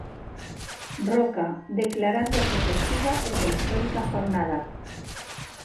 Roca, declarándose festiva esa histórica jornada.